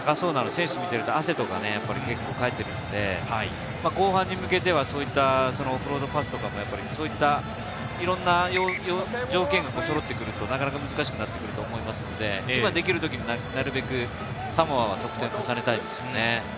選手も汗とかかいてるので、後半に向けては、そういったオフロードパスとかも、そういったいろんな条件が揃ってくると、なかなか難しくなってくると思いますので、今できるときになるべくサモアは得点を重ねたいですよね。